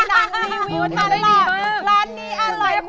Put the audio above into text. นางรีวิวทำได้ดีมาก